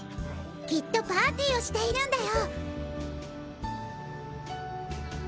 きっとパーティーをしているんだよ！